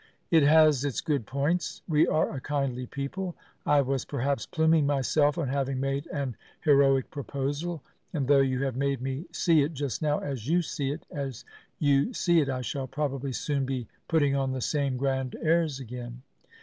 It has its good points. We are a kindly people. I was perhaps pluming myself on having made an heroic proposal, and though you have made me see it just now as you see it, as you see it I shall probably soon be putting on the same grand airs again.